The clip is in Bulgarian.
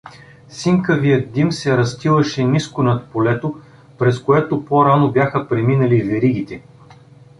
Синкавият дим се разстилаше ниско над полето, през което по-рано бяха преминали веригите.